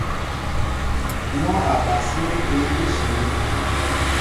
Mɔ́ a ba sínɛ́ jǒm éshe.